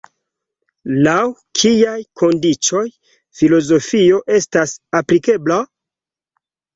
Laŭ kiaj kondiĉoj filozofio estas aplikebla?